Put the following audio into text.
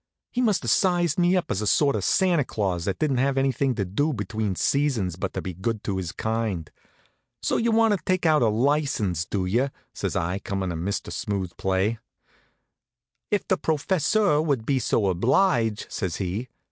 He must have sized me up as a sort of Santa Claus that didn't have anything to do between seasons but to be good to his kind. "So you want to take out a license, do you?" says I, comin' a Mr. Smooth play. "If the professeur would be so oblige," says he.